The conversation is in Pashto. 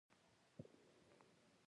ځغاسته د عمر اوږدوالی زیاتوي